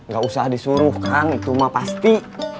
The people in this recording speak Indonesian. gak usah disuruh kan itu mah pasti